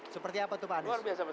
seperti apa tuh pak anies